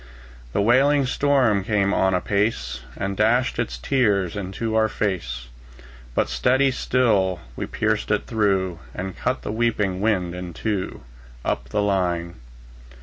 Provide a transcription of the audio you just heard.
The wailing storm came on apace, And dashed its tears into our fade; But steadily still we pierced it through, And cut the sweeping wind in two, Up the line.